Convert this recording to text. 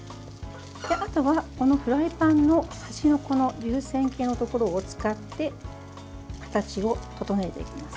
あとは、フライパンの端の流線型のところを使って形を整えていきます。